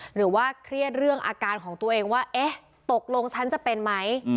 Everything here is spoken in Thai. หรือว่าเครียดเรื่องอาการของตัวเองว่าเอ๊ะตกลงฉันจะเป็นไหม